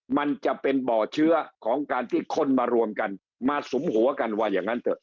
มันจะเป็นบ่อเชื้อของการที่คนมารวมกันมาสุมหัวกันว่าอย่างนั้นเถอะ